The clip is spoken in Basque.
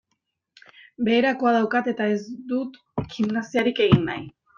Beherakoa daukat eta ez dut gimnasiarik egin nahi.